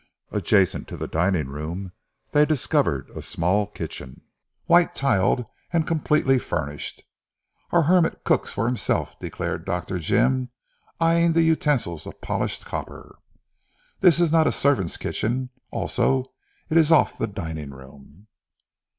Adjacent to the dining room, they discovered a small kitchen, white tiled and completely furnished. "Our hermit cooks for himself," declared Dr. Jim, eying the utensils of polished copper. "This is not a servant's kitchen: also it is off the dining room."